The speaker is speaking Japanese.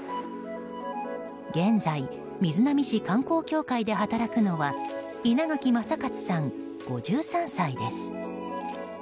現在、瑞浪市観光協会で働くのは稲垣昌克さん、５３歳です。